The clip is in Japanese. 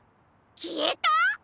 きえたっ！？